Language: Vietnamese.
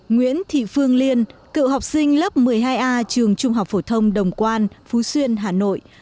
nguyễn thị phương liên cựu học sinh lớp một mươi hai a trường trung học phổ thông đồng quan phú xuyên hà nội